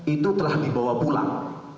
itu telah dibawa pulang